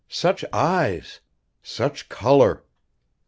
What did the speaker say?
Such eyes! Such color!